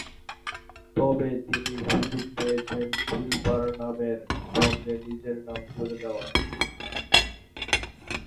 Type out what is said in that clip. তবে তিনি সুযোগ পেয়েছেন শিল্পার নামের সঙ্গে নিজের নাম জুড়ে দেওয়ার।